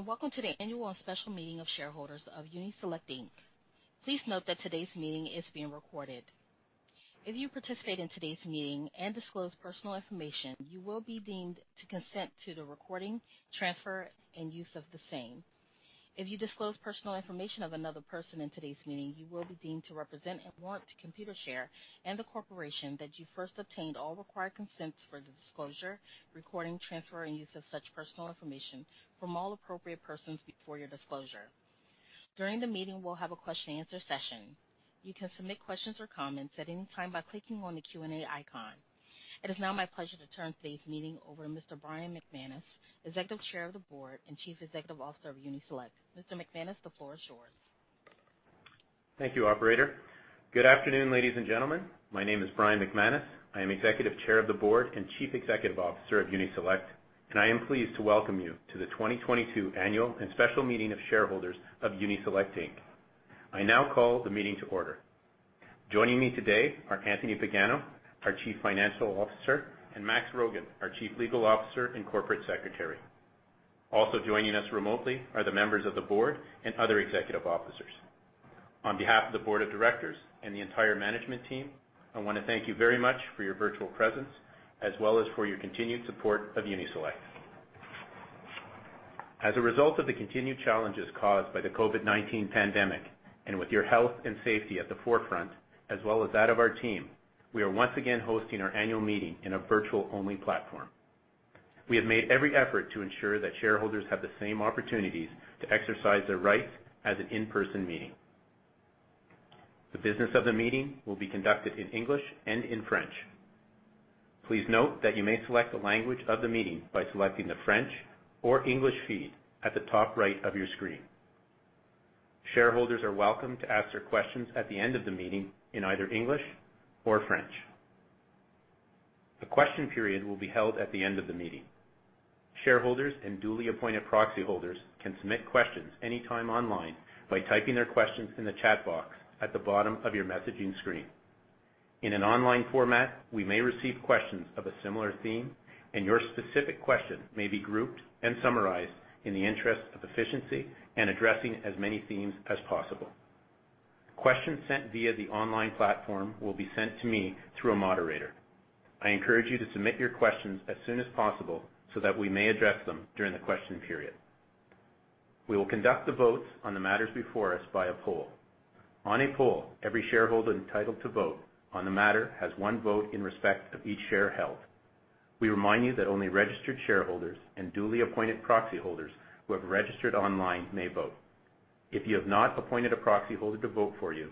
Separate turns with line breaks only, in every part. Hello, welcome to the annual and special meeting of shareholders of Uni-Select Inc. Please note that today's meeting is being recorded. If you participate in today's meeting and disclose personal information, you will be deemed to consent to the recording, transfer, and use of the same. If you disclose personal information of another person in today's meeting, you will be deemed to represent and warrant to Computershare and the corporation that you first obtained all required consents for the disclosure, recording, transfer, and use of such personal information from all appropriate persons before your disclosure. During the meeting, we'll have a question and answer session. You can submit questions or comments at any time by clicking on the Q&A icon. It is now my pleasure to turn today's meeting over to Mr. Brian McManus, Executive Chair of the Board and Chief Executive Officer of Uni-Select. Mr. McManus, the floor is yours.
Thank you, operator. Good afternoon, ladies and gentlemen. My name is Brian McManus. I am Executive Chair of the Board and Chief Executive Officer of Uni-Select, and I am pleased to welcome you to the 2022 annual and special meeting of shareholders of Uni-Select Inc. I now call the meeting to order. Joining me today are Anthony Pagano, our Chief Financial Officer, and Max Rogan, our Chief Legal Officer and Corporate Secretary. Also joining us remotely are the members of the board and other executive officers. On behalf of the board of directors and the entire management team, I want to thank you very much for your virtual presence, as well as for your continued support of Uni-Select. As a result of the continued challenges caused by the COVID-19 pandemic, and with your health and safety at the forefront, as well as that of our team, we are once again hosting our annual meeting in a virtual-only platform. We have made every effort to ensure that shareholders have the same opportunities to exercise their rights as an in-person meeting. The business of the meeting will be conducted in English and in French. Please note that you may select the language of the meeting by selecting the French or English feed at the top right of your screen. Shareholders are welcome to ask their questions at the end of the meeting in either English or French. The question period will be held at the end of the meeting. Shareholders and duly appointed proxy holders can submit questions anytime online by typing their questions in the chat box at the bottom of your messaging screen. In an online format, we may receive questions of a similar theme, and your specific question may be grouped and summarized in the interest of efficiency and addressing as many themes as possible. Questions sent via the online platform will be sent to me through a moderator. I encourage you to submit your questions as soon as possible so that we may address them during the question period. We will conduct the votes on the matters before us by a poll. On a poll, every shareholder entitled to vote on the matter has one vote in respect of each share held. We remind you that only registered shareholders and duly appointed proxy holders who have registered online may vote. If you have not appointed a proxy holder to vote for you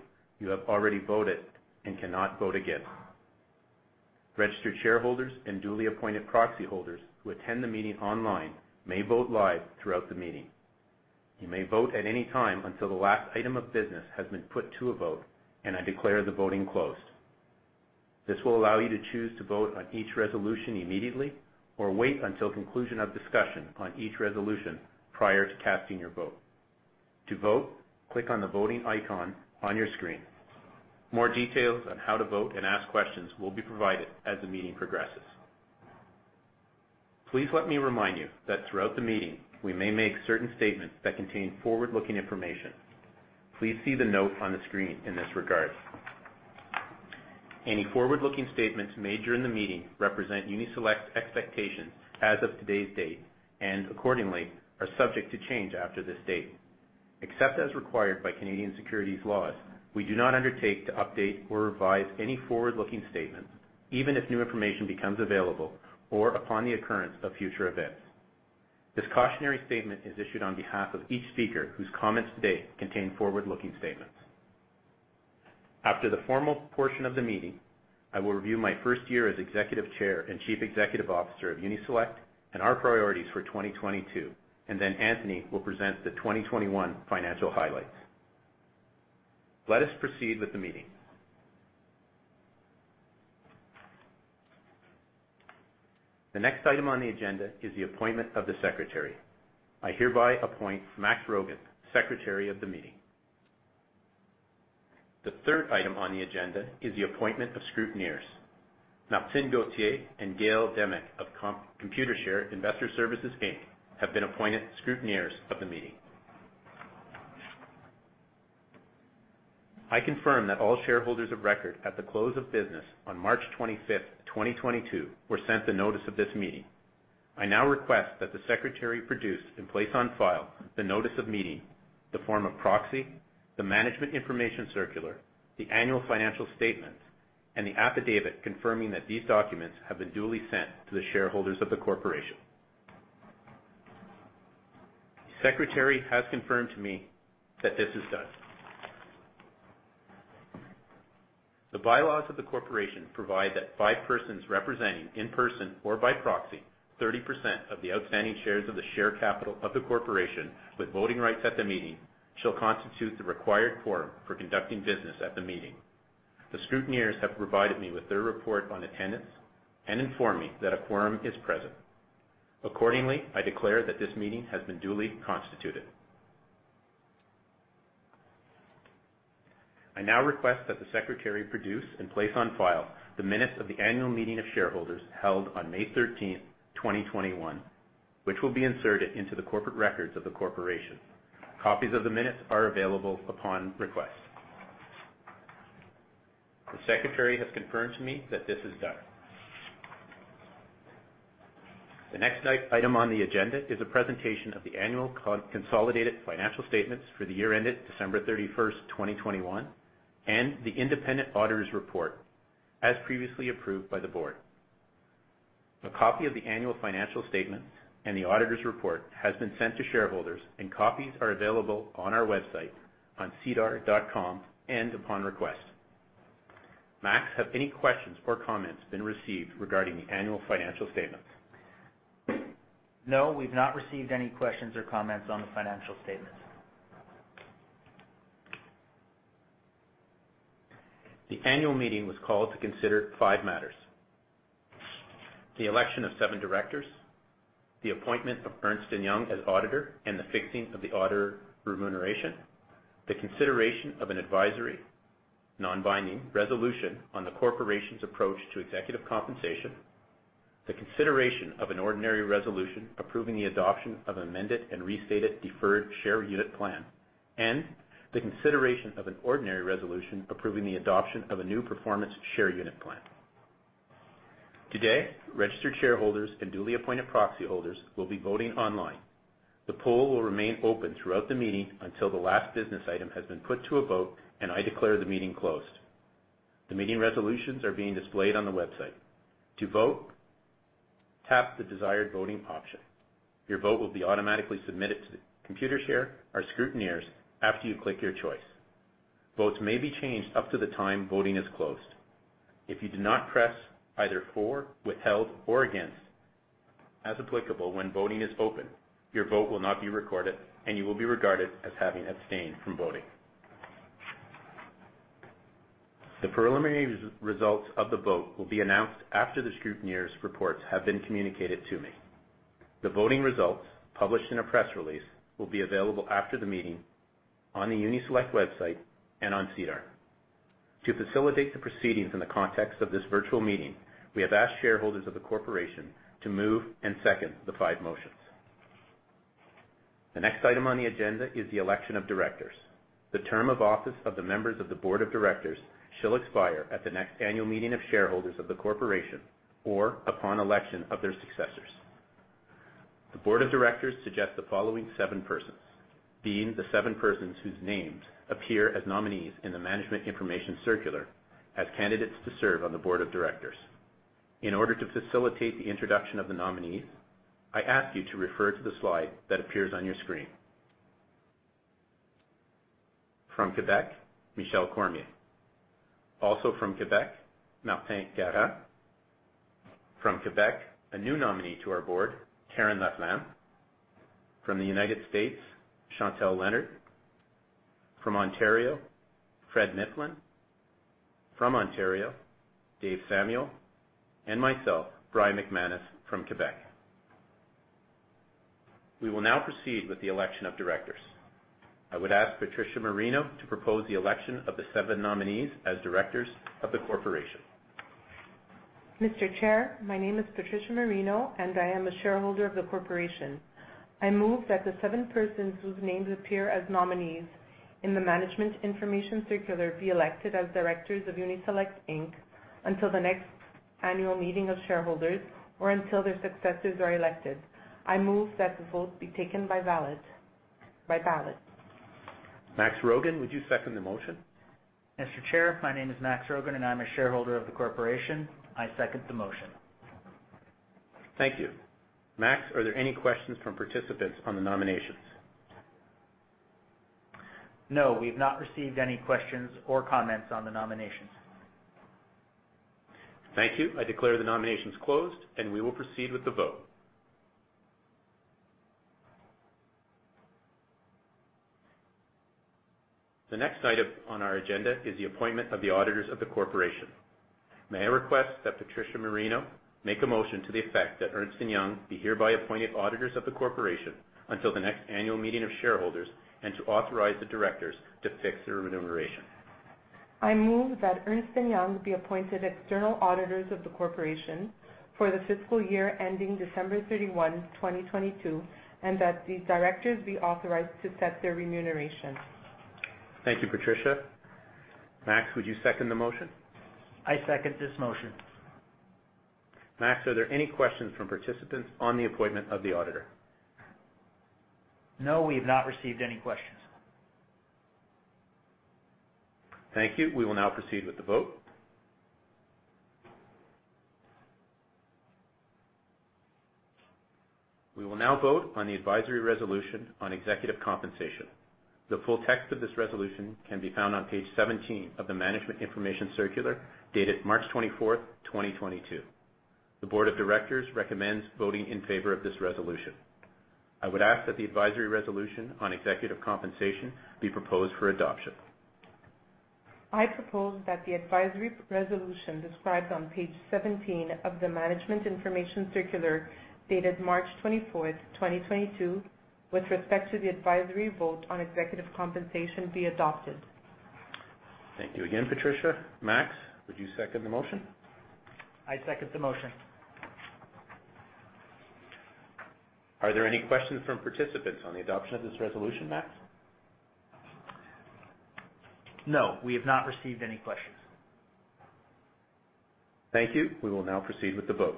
have already voted and cannot vote again. Registered shareholders and duly appointed proxy holders who attend the meeting online may vote live throughout the meeting. You may vote at any time until the last item of business has been put to a vote, and I declare the voting closed. This will allow you to choose to vote on each resolution immediately or wait until conclusion of discussion on each resolution prior to casting your vote. To vote, click on the voting icon on your screen. More details on how to vote and ask questions will be provided as the meeting progresses. Please let me remind you that throughout the meeting, we may make certain statements that contain forward-looking information. Please see the note on the screen in this regard. Any forward-looking statements made during the meeting represent Uni-Select's expectations as of today's date, and accordingly, are subject to change after this date. Except as required by Canadian securities laws, we do not undertake to update or revise any forward-looking statements, even if new information becomes available or upon the occurrence of future events. This cautionary statement is issued on behalf of each speaker whose comments today contain forward-looking statements. After the formal portion of the meeting, I will review my first year as Executive Chair and Chief Executive Officer of Uni-Select and our priorities for 2022, and then Anthony will present the 2021 financial highlights. Let us proceed with the meeting. The next item on the agenda is the appointment of the secretary. I hereby appoint Max Rogan, Secretary of the meeting. The third item on the agenda is the appointment of scrutineers. Martin Gauthier and Gail Demick of Computershare Investor Services Inc have been appointed scrutineers of the meeting. I confirm that all shareholders of record at the close of business on March 25th, 2022, were sent the notice of this meeting. I now request that the secretary produce and place on file the notice of meeting, the form of proxy, the management information circular, the annual financial statements, and the affidavit confirming that these documents have been duly sent to the shareholders of the corporation. The secretary has confirmed to me that this is done. The bylaws of the corporation provide that five persons representing in person or by proxy 30% of the outstanding shares of the share capital of the corporation with voting rights at the meeting shall constitute the required quorum for conducting business at the meeting. The scrutineers have provided me with their report on attendance and informed me that a quorum is present. Accordingly, I declare that this meeting has been duly constituted. I now request that the secretary produce and place on file the minutes of the annual meeting of shareholders held on May 13th, 2021, which will be inserted into the corporate records of the corporation. Copies of the minutes are available upon request. The secretary has confirmed to me that this is done. The next item on the agenda is a presentation of the annual consolidated financial statements for the year ended December 31st, 2021, and the independent auditor's report, as previously approved by the board. A copy of the annual financial statement and the auditor's report has been sent to shareholders, and copies are available on our website, on sedar.com, and upon request. Max, have any questions or comments been received regarding the annual financial statements?
No, we've not received any questions or comments on the financial statements.
The annual meeting was called to consider five matters. The election of seven directors, the appointment of Ernst & Young as auditor, and the fixing of the auditor remuneration. The consideration of an advisory, non-binding resolution on the corporation's approach to executive compensation. The consideration of an ordinary resolution approving the adoption of amended and restated deferred share unit plan. The consideration of an ordinary resolution approving the adoption of a new performance share unit plan. Today, registered shareholders and duly appointed proxy holders will be voting online. The poll will remain open throughout the meeting until the last business item has been put to a vote and I declare the meeting closed. The meeting resolutions are being displayed on the website. To vote, tap the desired voting option. Your vote will be automatically submitted to Computershare, our scrutineers, after you click your choice. Votes may be changed up to the time voting is closed. If you do not press either for, withheld, or against, as applicable, when voting is open, your vote will not be recorded, and you will be regarded as having abstained from voting. The preliminary results of the vote will be announced after the scrutineers' reports have been communicated to me. The voting results, published in a press release, will be available after the meeting, on the Uni-select website, and on SEDAR. To facilitate the proceedings in the context of this virtual meeting, we have asked shareholders of the corporation to move and second the five motions. The next item on the agenda is the election of directors. The term of office of the members of the board of directors shall expire at the next annual meeting of shareholders of the corporation or upon election of their successors. The board of directors suggest the following seven persons, being the seven persons whose names appear as nominees in the management information circular as candidates to serve on the board of directors. In order to facilitate the introduction of the nominees, I ask you to refer to the slide that appears on your screen. From Quebec, Michelle Cormier. Also from Quebec, Martin Garand. From Quebec, a new nominee to our board, Karen Laflamme. From the United States, Chantel Lenard. From Ontario, Fred Mifflin. From Ontario, Dave Samuel. Myself, Brian McManus from Quebec. We will now proceed with the election of directors. I would ask Patrizia Marino to propose the election of the seven nominees as directors of the corporation.
Mr. Chair, my name is Patrizia Marino, and I am a shareholder of the corporation. I move that the seven persons whose names appear as nominees in the management information circular be elected as directors of Uni-Select Inc until the next annual meeting of shareholders or until their successors are elected. I move that the vote be taken by ballot.
Max Rogan, would you second the motion?
Mr. Chair, my name is Max Rogan, and I'm a shareholder of the corporation. I second the motion.
Thank you. Max, are there any questions from participants on the nominations?
No. We've not received any questions or comments on the nominations.
Thank you. I declare the nominations closed, and we will proceed with the vote. The next item on our agenda is the appointment of the auditors of the corporation. May I request that Patrizia Marino make a motion to the effect that Ernst & Young be hereby appointed auditors of the corporation until the next annual meeting of shareholders and to authorize the directors to fix their remuneration.
I move that Ernst & Young be appointed external auditors of the corporation for the fiscal year ending December 31, 2022, and that the directors be authorized to set their remuneration.
Thank you, Patrizia. Max, would you second the motion?
I second this motion.
Max, are there any questions from participants on the appointment of the auditor?
No, we have not received any questions.
Thank you. We will now proceed with the vote. We will now vote on the advisory resolution on executive compensation. The full text of this resolution can be found on page 17 of the Management Information Circular, dated March 24th, 2022. The board of directors recommends voting in favor of this resolution. I would ask that the advisory resolution on executive compensation be proposed for adoption.
I propose that the advisory resolution described on page 17 of the Management Information Circular, dated March 24th, 2022 with respect to the advisory vote on executive compensation be adopted.
Thank you again, Patrizia. Max, would you second the motion?
I second the motion.
Are there any questions from participants on the adoption of this resolution, Max?
No, we have not received any questions.
Thank you. We will now proceed with the vote.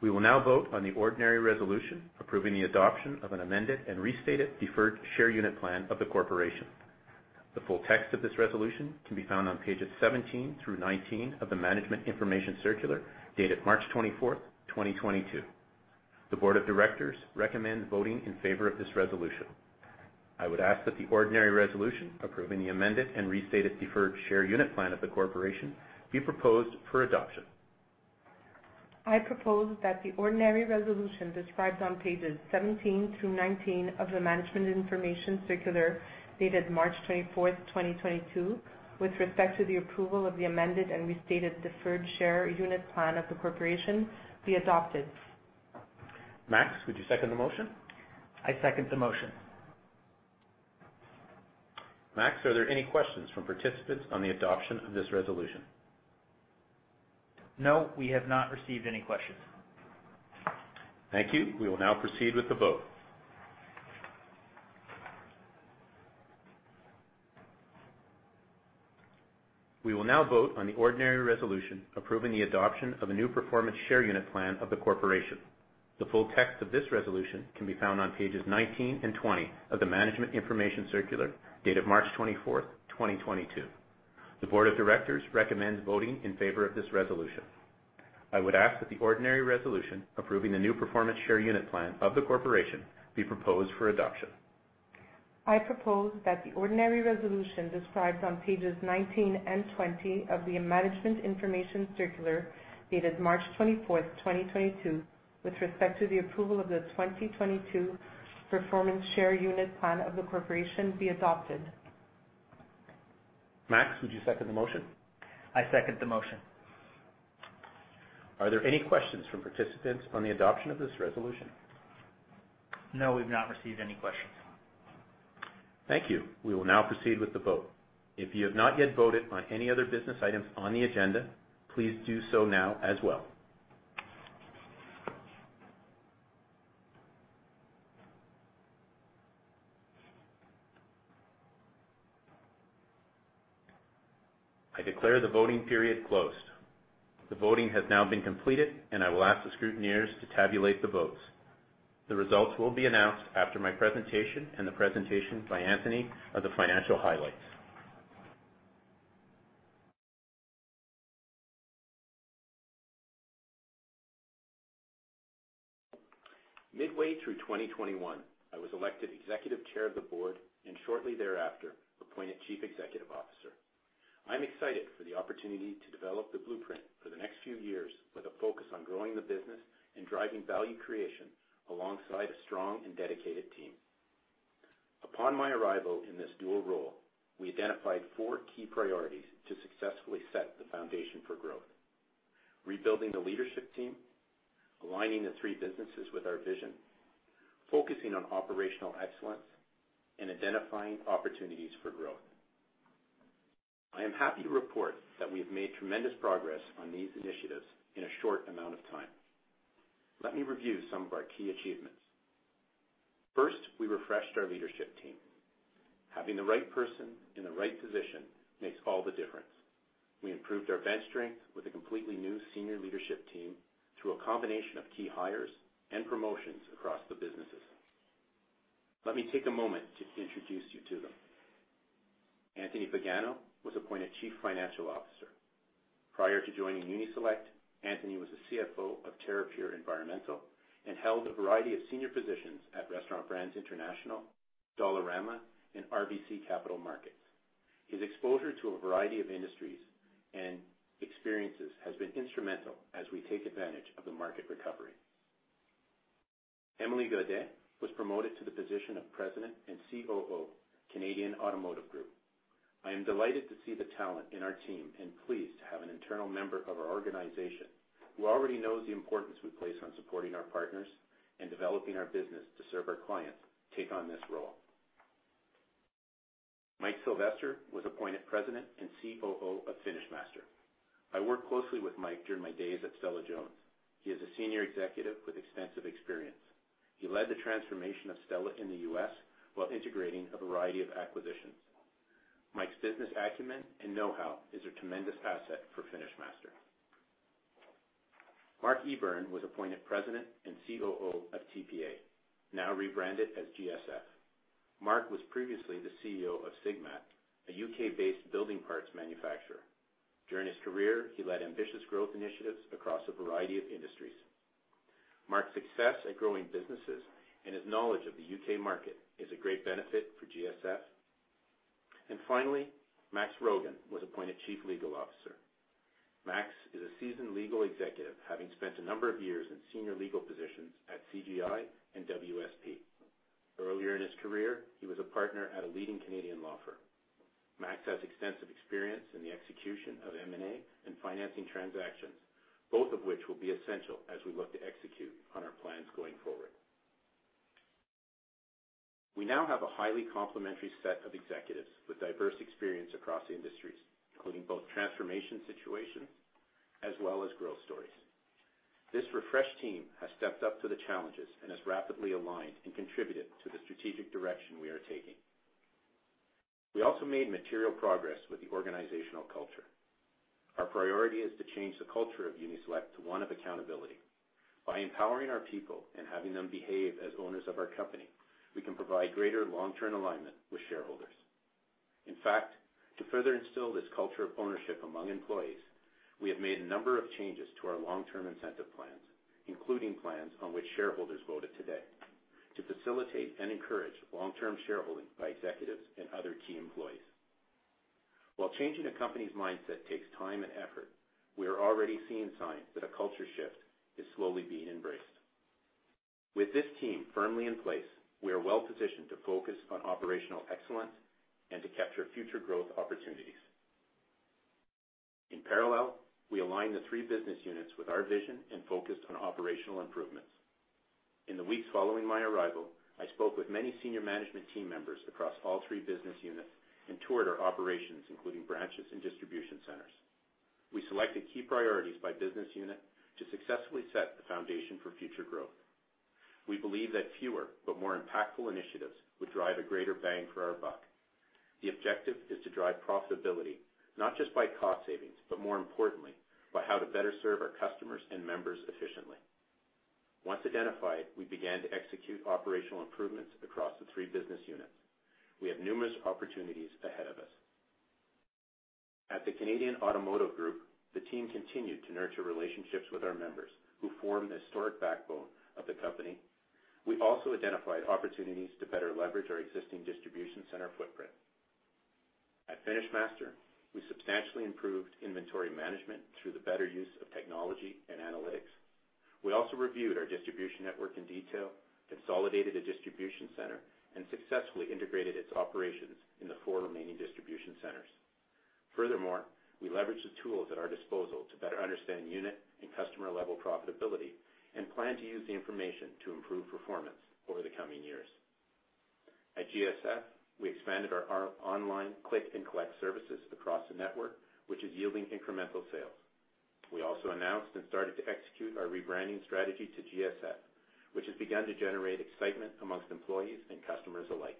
We will now vote on the ordinary resolution approving the adoption of an amended and restated deferred share unit plan of the corporation. The full text of this resolution can be found on pages 17 through 19 of the Management Information Circular, dated March 24th, 2022. The board of directors recommend voting in favor of this resolution. I would ask that the ordinary resolution approving the amended and restated deferred share unit plan of the corporation be proposed for adoption.
I propose that the ordinary resolution described on pages 17 through 19 of the Management Information Circular, dated March 24th, 2022, with respect to the approval of the amended and restated deferred share unit plan of the corporation be adopted.
Max, would you second the motion?
I second the motion.
Max, are there any questions from participants on the adoption of this resolution?
No, we have not received any questions.
Thank you. We will now proceed with the vote. We will now vote on the ordinary resolution approving the adoption of a new performance share unit plan of the corporation. The full text of this resolution can be found on pages 19 and 20 of the Management Information Circular, dated March 24th, 2022. The board of directors recommends voting in favor of this resolution. I would ask that the ordinary resolution approving the new performance share unit plan of the corporation be proposed for adoption.
I propose that the ordinary resolution described on pages 19 and 20 of the Management Information Circular, dated March 24th, 2022, with respect to the approval of the 2022 performance share unit plan of the corporation be adopted.
Max, would you second the motion?
I second the motion.
Are there any questions from participants on the adoption of this resolution?
No, we've not received any questions.
Thank you. We will now proceed with the vote. If you have not yet voted on any other business items on the agenda, please do so now as well. I declare the voting period closed. The voting has now been completed, and I will ask the scrutineers to tabulate the votes. The results will be announced after my presentation and the presentation by Anthony of the financial highlights. Midway through 2021, I was elected Executive Chair of the Board, shortly thereafter appointed Chief Executive Officer. I'm excited for the opportunity to develop the blueprint for the next few years with a focus on growing the business and driving value creation alongside a strong and dedicated team. Upon my arrival in this dual role, we identified four key priorities to successfully set the foundation for growth. Rebuilding the leadership team, aligning the three businesses with our vision, focusing on operational excellence, and identifying opportunities for growth. I am happy to report that we have made tremendous progress on these initiatives in a short amount of time. Let me review some of our key achievements. First, we refreshed our leadership team. Having the right person in the right position makes all the difference. We improved our bench strength with a completely new senior leadership team through a combination of key hires and promotions across the businesses. Let me take a moment to introduce you to them. Anthony Pagano was appointed Chief Financial Officer. Prior to joining Uni-Select, Anthony was the CFO of Terrapure Environmental and held a variety of senior positions at Restaurant Brands International, Dollarama, and RBC Capital Markets. His exposure to a variety of industries and experiences has been instrumental as we take advantage of the market recovery. Emilie Gaudet was promoted to the position of President and COO, Canadian Automotive Group. I am delighted to see the talent in our team and pleased to have an internal member of our organization, who already knows the importance we place on supporting our partners and developing our business to serve our clients, take on this role. Mike Sylvester was appointed President and COO of FinishMaster. I worked closely with Mike during my days at Stella-Jones. He is a senior executive with extensive experience. He led the transformation of Stella in the U.S. while integrating a variety of acquisitions. Mike's business acumen and know-how is a tremendous asset for FinishMaster. Mark Eburne was appointed President and COO of TPA, now rebranded as GSF. Mark was previously the CEO of Sigmat, a U.K.-based building parts manufacturer. During his career, he led ambitious growth initiatives across a variety of industries. Mark's success at growing businesses and his knowledge of the U.K. market is a great benefit for GSF. Finally, Max Rogan was appointed Chief Legal Officer. Max is a seasoned legal executive, having spent a number of years in senior legal positions at CGI and WSP. Earlier in his career, he was a partner at a leading Canadian law firm. Max has extensive experience in the execution of M&A and financing transactions, both of which will be essential as we look to execute on our plans going forward. We now have a highly complementary set of executives with diverse experience across industries, including both transformation situations as well as growth stories. This refreshed team has stepped up to the challenges and has rapidly aligned and contributed to the strategic direction we are taking. We also made material progress with the organizational culture. Our priority is to change the culture of Uni-Select to one of accountability. By empowering our people and having them behave as owners of our company, we can provide greater long-term alignment with shareholders. In fact, to further instill this culture of ownership among employees, we have made a number of changes to our long-term incentive plans, including plans on which shareholders voted today, to facilitate and encourage long-term shareholding by executives and other key employees. While changing a company's mindset takes time and effort, we are already seeing signs that a culture shift is slowly being embraced. With this team firmly in place, we are well-positioned to focus on operational excellence and to capture future growth opportunities. In parallel, we aligned the three business units with our vision and focused on operational improvements. In the weeks following my arrival, I spoke with many senior management team members across all three business units and toured our operations, including branches and distribution centers. We selected key priorities by business unit to successfully set the foundation for future growth. We believe that fewer but more impactful initiatives would drive a greater bang for our buck. The objective is to drive profitability not just by cost savings, but more importantly, by how to better serve our customers and members efficiently. Once identified, we began to execute operational improvements across the three business units. We have numerous opportunities ahead of us. At the Canadian Automotive Group, the team continued to nurture relationships with our members who form the historic backbone of the company. We also identified opportunities to better leverage our existing distribution center footprint. At FinishMaster, we substantially improved inventory management through the better use of technology and analytics. We also reviewed our distribution network in detail, consolidated a distribution center, and successfully integrated its operations in the four remaining distribution centers. Furthermore, we leveraged the tools at our disposal to better understand unit and customer-level profitability and plan to use the information to improve performance over the coming years. At GSF, we expanded our online click and collect services across the network, which is yielding incremental sales. We also announced and started to execute our rebranding strategy to GSF, which has begun to generate excitement amongst employees and customers alike.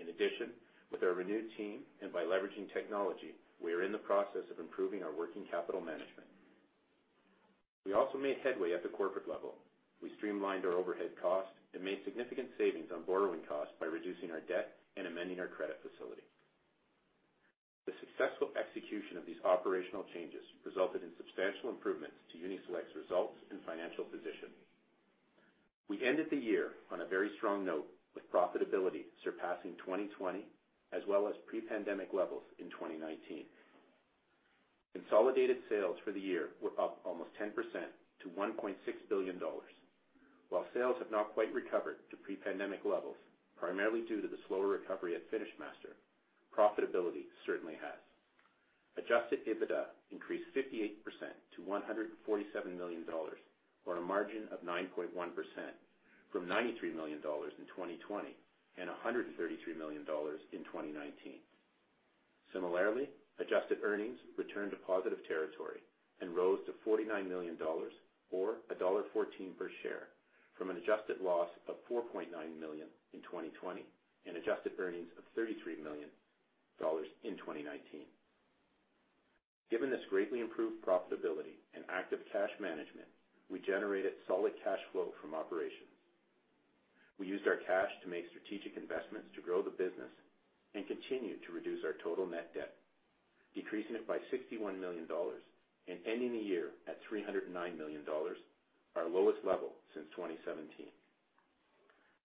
In addition, with our renewed team and by leveraging technology, we are in the process of improving our working capital management. We also made headway at the corporate level. We streamlined our overhead costs and made significant savings on borrowing costs by reducing our debt and amending our credit facility. The successful execution of these operational changes resulted in substantial improvements to Uni-Select's results and financial position. We ended the year on a very strong note, with profitability surpassing 2020 as well as pre-pandemic levels in 2019. Consolidated sales for the year were up almost 10% to 1.6 billion dollars. While sales have not quite recovered to pre-pandemic levels, primarily due to the slower recovery at FinishMaster, profitability certainly has. Adjusted EBITDA increased 58% to 147 million dollars, or a margin of 9.1%, from 93 million dollars in 2020 and 133 million dollars in 2019. Similarly, adjusted earnings returned to positive territory and rose to 49 million dollars, or dollar 1.14 per share, from an adjusted loss of 4.9 million in 2020 and adjusted earnings of 33 million dollars in 2019. Given this greatly improved profitability and active cash management, we generated solid cash flow from operations. We used our cash to make strategic investments to grow the business and continue to reduce our total net debt, decreasing it by 61 million dollars and ending the year at 309 million dollars, our lowest level since 2017.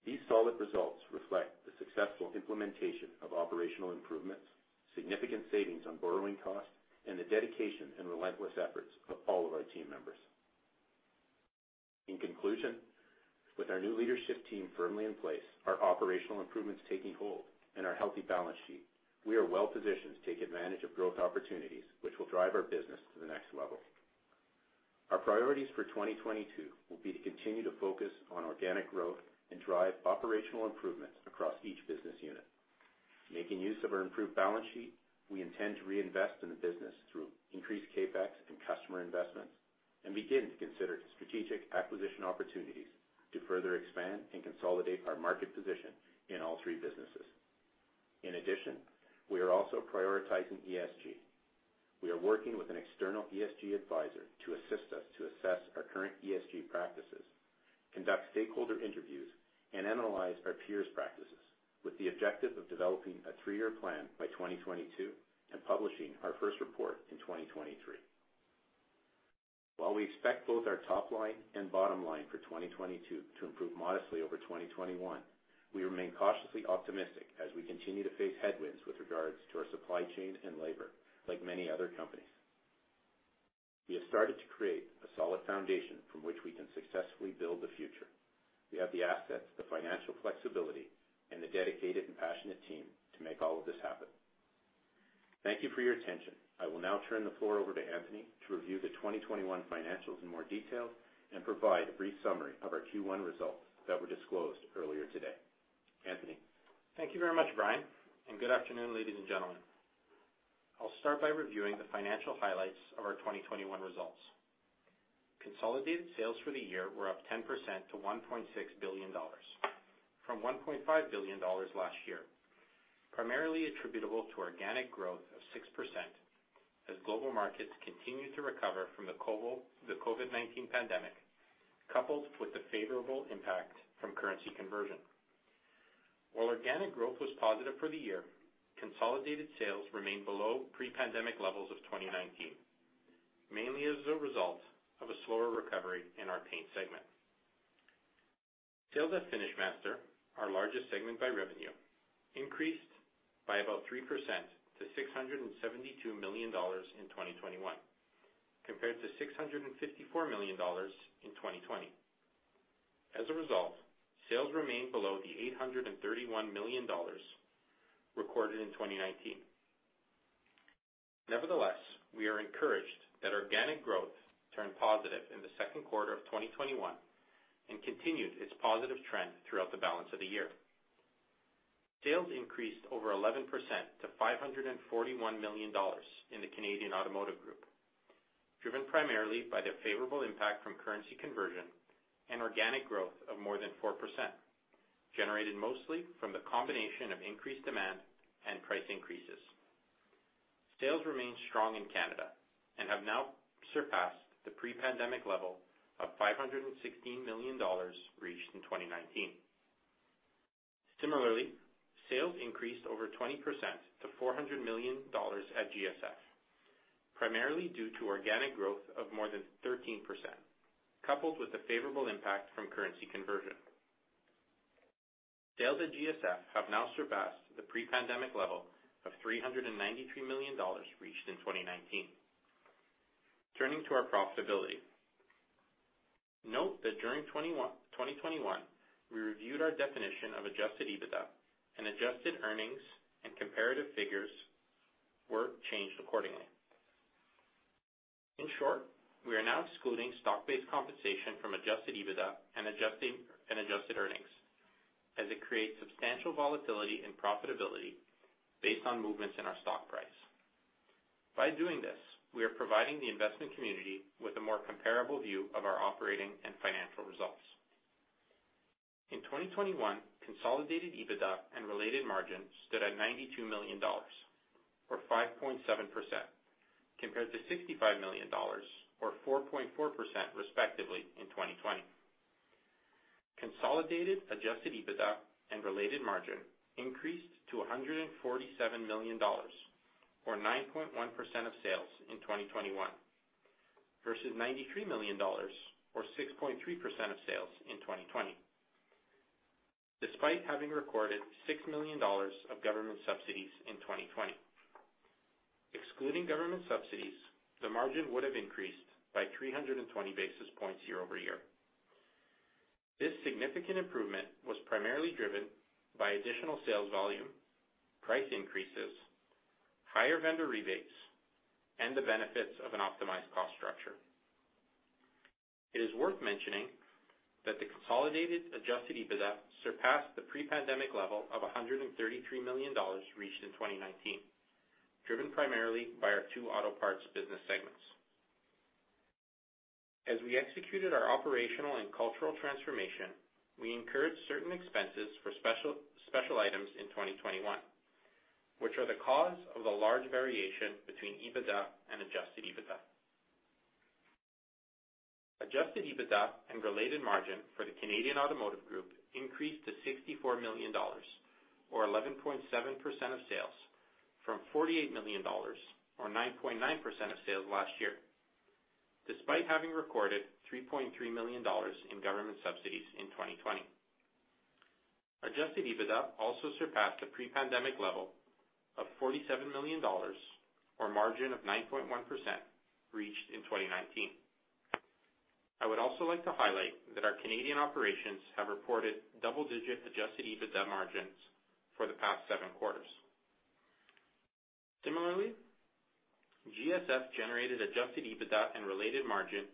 These solid results reflect the successful implementation of operational improvements, significant savings on borrowing costs, and the dedication and relentless efforts of all of our team members. In conclusion, with our new leadership team firmly in place, our operational improvements taking hold, and our healthy balance sheet, we are well-positioned to take advantage of growth opportunities, which will drive our business to the next level. Our priorities for 2022 will be to continue to focus on organic growth and drive operational improvements across each business unit. Making use of our improved balance sheet, we intend to reinvest in the business through increased CapEx and customer investments and begin to consider strategic acquisition opportunities to further expand and consolidate our market position in all three businesses. In addition, we are also prioritizing ESG. We are working with an external ESG advisor to assist us to assess our current ESG practices, conduct stakeholder interviews, and analyze our peers' practices with the objective of developing a three-year plan by 2022 and publishing our first report in 2023. While we expect both our top line and bottom line for 2022 to improve modestly over 2021, we remain cautiously optimistic as we continue to face headwinds with regards to our supply chain and labor, like many other companies. We have started to create a solid foundation from which we can successfully build the future. We have the assets, the financial flexibility, and the dedicated and passionate team to make all of this happen. Thank you for your attention. I will now turn the floor over to Anthony to review the 2021 financials in more detail and provide a brief summary of our Q1 results that were disclosed earlier today. Anthony?
Thank you very much, Brian, and good afternoon, ladies and gentlemen. I'll start by reviewing the financial highlights of our 2021 results. Consolidated sales for the year were up 10% to 1.6 billion dollars, from 1.5 billion dollars last year, primarily attributable to organic growth of 6% as global markets continue to recover from the COVID-19 pandemic, coupled with the favorable impact from currency conversion. While organic growth was positive for the year, consolidated sales remained below pre-pandemic levels of 2019, mainly as a result of a slower recovery in our paint segment. Sales at FinishMaster, our largest segment by revenue, increased by about 3% to 672 million dollars in 2021, compared to 654 million dollars in 2020. As a result, sales remained below the 831 million dollars recorded in 2019. Nevertheless, we are encouraged that organic growth turned positive in the second quarter of 2021 and continued its positive trend throughout the balance of the year. Sales increased over 11% to 541 million dollars in the Canadian Automotive Group, driven primarily by the favorable impact from currency conversion and organic growth of more than 4%, generated mostly from the combination of increased demand and price increases. Sales remained strong in Canada and have now surpassed the pre-pandemic level of 516 million dollars reached in 2019. Similarly, sales increased over 20% to 400 million dollars at GSF, primarily due to organic growth of more than 13%, coupled with the favorable impact from currency conversion. Sales at GSF have now surpassed the pre-pandemic level of 393 million dollars reached in 2019. Turning to our profitability. Note that during 2021, we reviewed our definition of adjusted EBITDA, and adjusted earnings and comparative figures were changed accordingly. In short, we are now excluding stock-based compensation from adjusted EBITDA and adjusted earnings, as it creates substantial volatility in profitability based on movements in our stock price. By doing this, we are providing the investment community with a more comparable view of our operating and financial results. In 2021, consolidated EBITDA and related margin stood at 92 million dollars, or 5.7%, compared to 65 million dollars, or 4.4% respectively in 2020. Consolidated adjusted EBITDA and related margin increased to 147 million dollars, or 9.1% of sales in 2021, versus 93 million dollars, or 6.3% of sales in 2020, despite having recorded 6 million dollars of government subsidies in 2020. Excluding government subsidies, the margin would have increased by 320 basis points year-over-year. This significant improvement was primarily driven by additional sales volume, price increases, higher vendor rebates, and the benefits of an optimized cost structure. It is worth mentioning that the consolidated adjusted EBITDA surpassed the pre-pandemic level of 133 million dollars reached in 2019, driven primarily by our two auto parts business segments. As we executed our operational and cultural transformation, we incurred certain expenses for special items in 2021, which are the cause of the large variation between EBITDA and adjusted EBITDA. Adjusted EBITDA and related margin for the Canadian Automotive Group increased to 64 million dollars, or 11.7% of sales, from 48 million dollars, or 9.9% of sales last year, despite having recorded 3.3 million dollars in government subsidies in 2020. Adjusted EBITDA also surpassed the pre-pandemic level of 47 million dollars, or margin of 9.1% reached in 2019. I would also like to highlight that our Canadian operations have reported double-digit adjusted EBITDA margins for the past seven quarters. Similarly, GSF generated adjusted EBITDA and related margin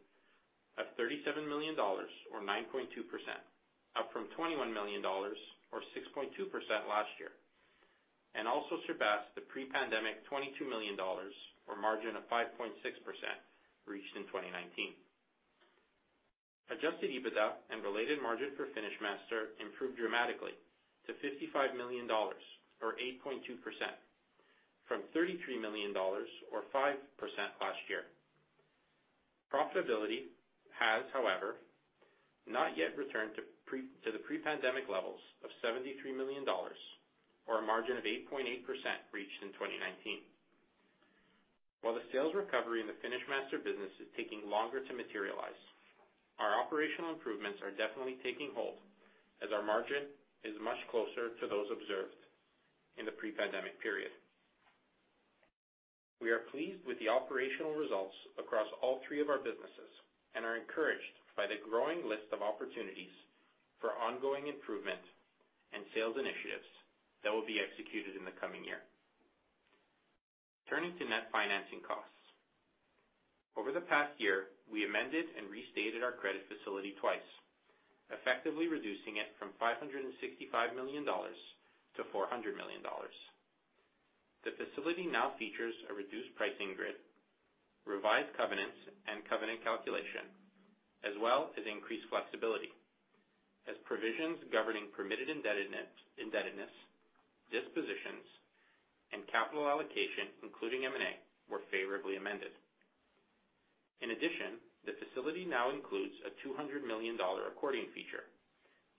of 37 million dollars, or 9.2%, up from 21 million dollars, or 6.2% last year, and also surpassed the pre-pandemic 22 million dollars, or margin of 5.6% reached in 2019. Adjusted EBITDA and related margin for FinishMaster improved dramatically to 55 million dollars, or 8.2%, from 33 million dollars, or 5% last year. Profitability has, however, not yet returned to the pre-pandemic levels of 73 million dollars, or a margin of 8.8% reached in 2019. While the sales recovery in the FinishMaster business is taking longer to materialize, our operational improvements are definitely taking hold as our margin is much closer to those observed in the pre-pandemic period. We are pleased with the operational results across all three of our businesses and are encouraged by the growing list of opportunities for ongoing improvement and sales initiatives that will be executed in the coming year. Turning to net financing costs. Over the past year, we amended and restated our credit facility twice, effectively reducing it from 565 million dollars to 400 million dollars. The facility now features a reduced pricing grid, revised covenants and covenant calculation, as well as increased flexibility as provisions governing permitted indebtedness, dispositions, and capital allocation, including M&A, were favorably amended. In addition, the facility now includes a 200 million dollar accordion feature,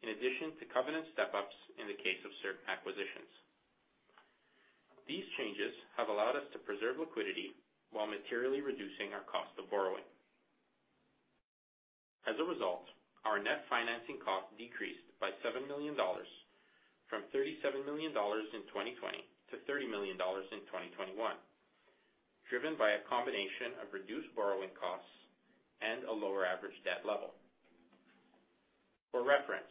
in addition to covenant step-ups in the case of certain acquisitions. These changes have allowed us to preserve liquidity while materially reducing our cost of borrowing. As a result, our net financing cost decreased by 7 million dollars from 37 million dollars in 2020 to 30 million dollars in 2021, driven by a combination of reduced borrowing costs and a lower average debt level. For reference,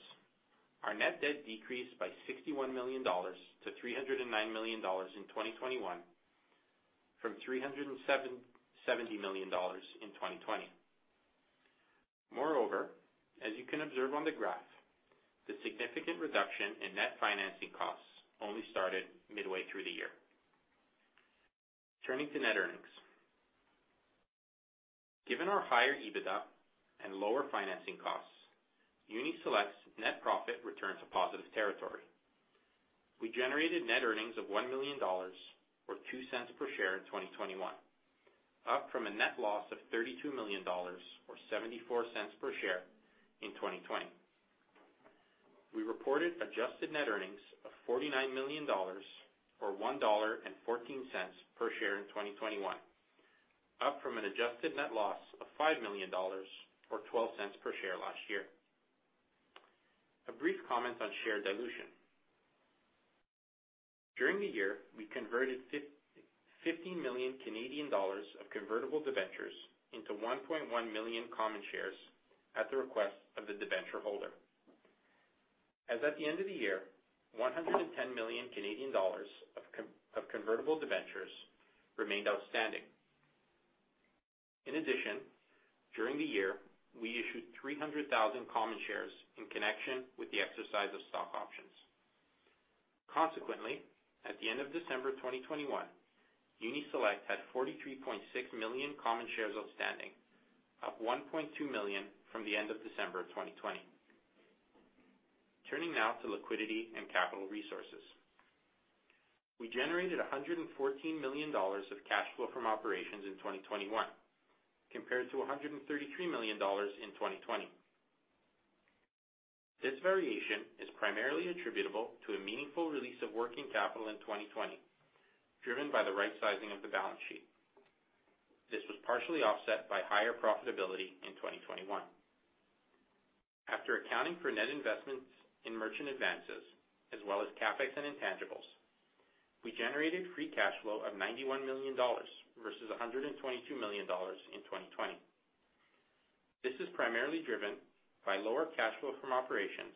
our net debt decreased by 61 million dollars to 309 million dollars in 2021 from 370 million dollars in 2020. Moreover, as you can observe on the graph, the significant reduction in net financing costs only started midway through the year. Turning to net earnings. Given our higher EBITDA and lower financing costs, Uni-Select's net profit returned to positive territory. We generated net earnings of 1 million dollars, or 0.02 per share in 2021, up from a net loss of 32 million dollars or 0.74 per share in 2020. We reported adjusted net earnings of 49 million dollars or 1.14 dollar per share in 2021, up from an adjusted net loss of 5 million dollars or 0.12 per share last year. A brief comment on share dilution. During the year, we converted 15 million Canadian dollars of convertible debentures into 1.1 million common shares at the request of the debenture holder. As at the end of the year, 110 million Canadian dollars of convertible debentures remained outstanding. In addition, during the year, we issued 300,000 common shares in connection with the exercise of stock options. Consequently, at the end of December 2021, Uni-Select had 43.6 million common shares outstanding, up 1.2 million from the end of December 2020. Turning now to liquidity and capital resources. We generated 114 million dollars of cash flow from operations in 2021, compared to 133 million dollars in 2020. This variation is primarily attributable to a meaningful release of working capital in 2020, driven by the right sizing of the balance sheet. This was partially offset by higher profitability in 2021. After accounting for net investments in merchant advances, as well as CapEx and intangibles, we generated free cash flow of 91 million dollars versus 122 million dollars in 2020. This is primarily driven by lower cash flow from operations,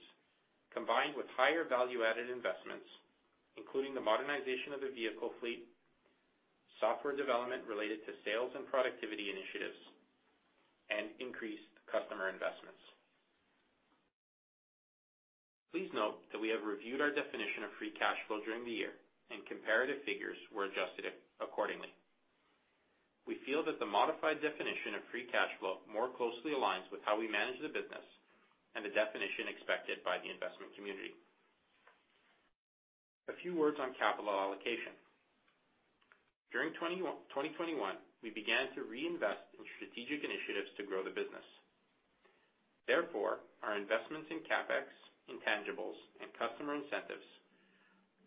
combined with higher value-added investments, including the modernization of the vehicle fleet, software development related to sales and productivity initiatives, and increased customer investments. Please note that we have reviewed our definition of free cash flow during the year, and comparative figures were adjusted accordingly. We feel that the modified definition of free cash flow more closely aligns with how we manage the business and the definition expected by the investment community. A few words on capital allocation. During 2021, we began to reinvest in strategic initiatives to grow the business. Our investments in CapEx, intangibles, and customer incentives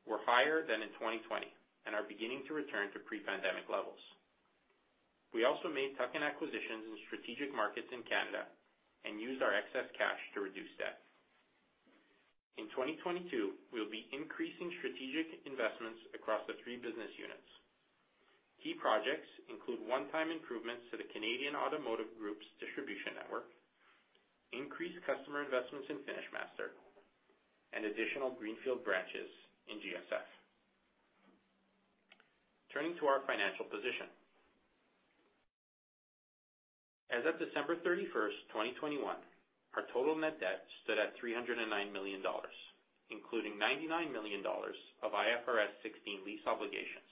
were higher than in 2020 and are beginning to return to pre-pandemic levels. We also made tuck-in acquisitions in strategic markets in Canada and used our excess cash to reduce debt. In 2022, we will be increasing strategic investments across the three business units. Key projects include one-time improvements to the Canadian Automotive Group's distribution network, increased customer investments in FinishMaster, and additional greenfield branches in GSF. Turning to our financial position. As of December 31st, 2021, our total net debt stood at 309 million dollars, including 99 million dollars of IFRS 16 lease obligations,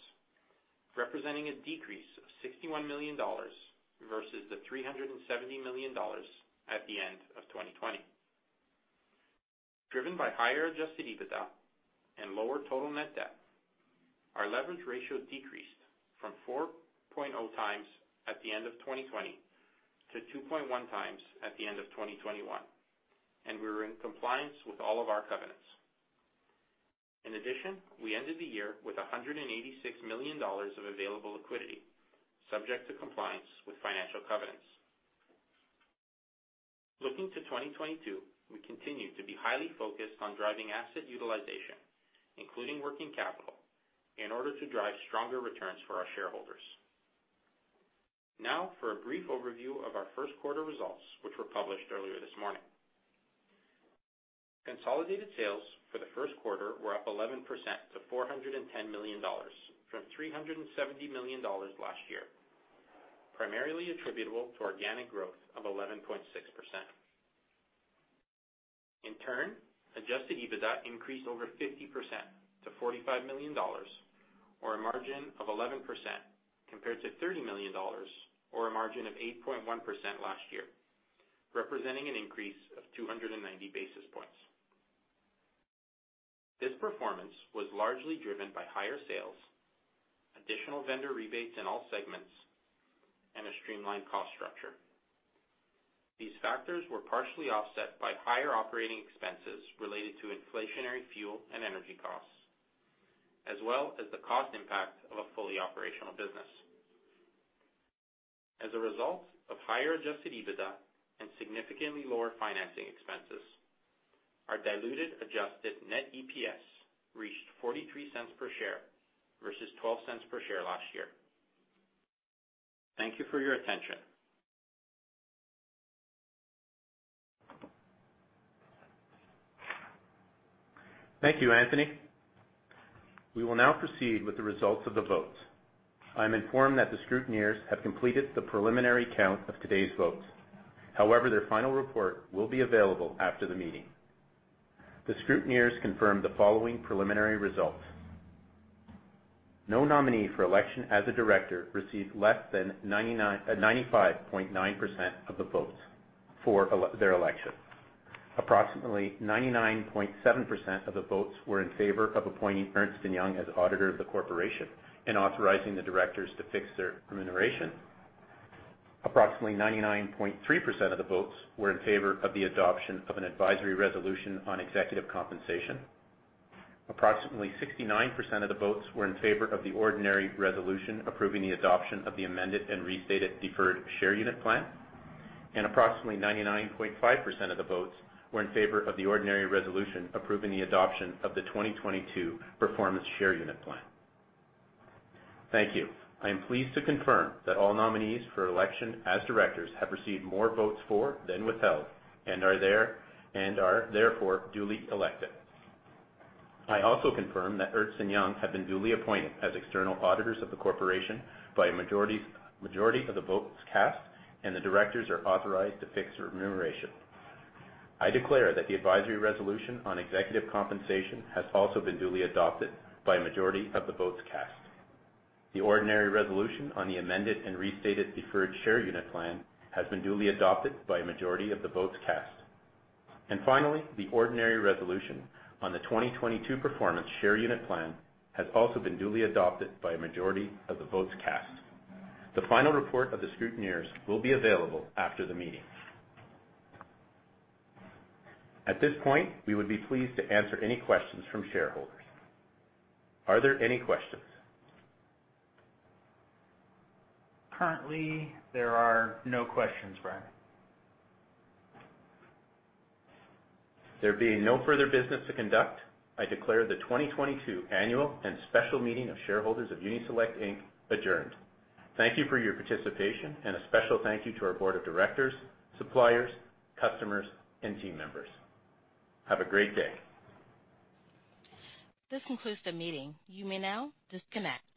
representing a decrease of 61 million dollars versus the 370 million dollars at the end of 2020. Driven by higher adjusted EBITDA and lower total net debt, our leverage ratio decreased from 4.0x at the end of 2020 to 2.1x at the end of 2021, and we were in compliance with all of our covenants. In addition, we ended the year with 186 million dollars of available liquidity, subject to compliance with financial covenants. Looking to 2022, we continue to be highly focused on driving asset utilization, including working capital, in order to drive stronger returns for our shareholders. Now for a brief overview of our first quarter results, which were published earlier this morning. Consolidated sales for the first quarter were up 11% to 410 million dollars from 370 million dollars last year, primarily attributable to organic growth of 11.6%. In turn, adjusted EBITDA increased over 50% to 45 million dollars, or a margin of 11%, compared to 30 million dollars, or a margin of 8.1% last year, representing an increase of 290 basis points. This performance was largely driven by higher sales, additional vendor rebates in all segments, and a streamlined cost structure. These factors were partially offset by higher operating expenses related to inflationary fuel and energy costs, as well as the cost impact of a fully operational business. As a result of higher adjusted EBITDA and significantly lower financing expenses, our diluted adjusted net EPS reached 0.43 per share versus 0.12 per share last year. Thank you for your attention.
Thank you, Anthony. We will now proceed with the results of the votes. I am informed that the scrutineers have completed the preliminary count of today's votes. However, their final report will be available after the meeting. The scrutineers confirmed the following preliminary results. No nominee for election as a director received less than 95.9% of the votes for their election. Approximately 99.7% of the votes were in favor of appointing Ernst & Young as auditor of the corporation and authorizing the directors to fix their remuneration. Approximately 99.3% of the votes were in favor of the adoption of an advisory resolution on executive compensation. Approximately 69% of the votes were in favor of the ordinary resolution approving the adoption of the amended and restated deferred share unit plan. Approximately 99.5% of the votes were in favor of the ordinary resolution approving the adoption of the 2022 performance share unit plan. Thank you. I am pleased to confirm that all nominees for election as directors have received more votes for than withheld and are therefore duly elected. I also confirm that Ernst & Young have been duly appointed as external auditors of the corporation by a majority of the votes cast, and the directors are authorized to fix remuneration. I declare that the advisory resolution on executive compensation has also been duly adopted by a majority of the votes cast. The ordinary resolution on the amended and restated deferred share unit plan has been duly adopted by a majority of the votes cast. Finally, the ordinary resolution on the 2022 performance share unit plan has also been duly adopted by a majority of the votes cast. The final report of the scrutineers will be available after the meeting. At this point, we would be pleased to answer any questions from shareholders. Are there any questions?
Currently, there are no questions, Brian.
There being no further business to conduct, I declare the 2022 Annual and Special Meeting of Shareholders of Uni-Select Inc adjourned. Thank you for your participation, and a special thank you to our board of directors, suppliers, customers, and team members. Have a great day.
This concludes the meeting. You may now disconnect.